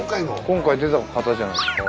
今回出た方じゃないですか？